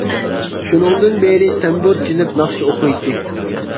شۇنىڭدىن بېرى تەمبۇر چېلىپ ناخشا ئوقۇيتتى.